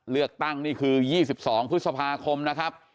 เลือกตั้งนี่คือ๒๒พฤษภาคมนะครับ